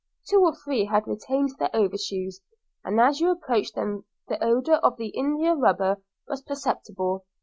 Two or three had retained their overshoes, and as you approached them the odour of the india rubber was perceptible.